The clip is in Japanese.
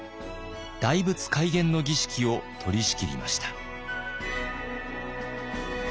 大仏開眼の儀式を取りしきりました。